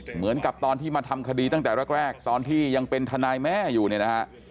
เหมือนกับตอนที่มาทำคดีตั้งแต่แรกตอนที่ยังเป็นทนายแม่อยู่เนี่ยนะฮะ